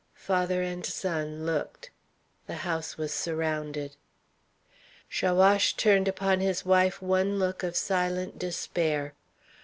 Father and son looked. The house was surrounded. Chaouache turned upon his wife one look of silent despair.